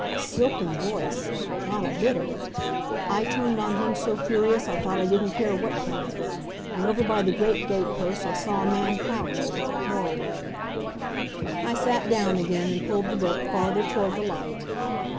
Silken voice? Not a bit of it! I turned on him so furious I thought I didn't care what came of it when over by the great gate post I saw a man crouching Moriway. I sat down again and pulled the book farther toward the light.